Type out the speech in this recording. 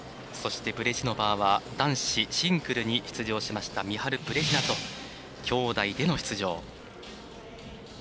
そしてブレジノバーは男子シングルに出場したお兄さんのミハル・ブレジナときょうだいでの出場。